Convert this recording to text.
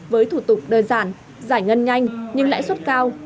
với thủ tục đơn giản giải ngân nhanh nhưng lãi suất cao